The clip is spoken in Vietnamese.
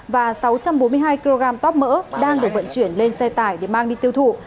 và sáu trăm bốn mươi hai kg tóp mỡ đang được vận chuyển lên xe tải để mang đi tiêu thụ